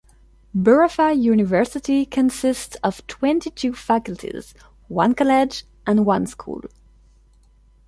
Burapha University consists of Twenty-Two faculties, One college and One School.